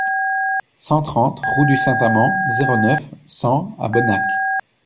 cent trente route de Saint-Amans, zéro neuf, cent à Bonnac